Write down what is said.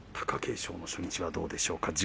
貴景勝の初日はどうでしょうか。